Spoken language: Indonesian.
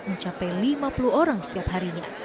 mencapai lima puluh orang setiap harinya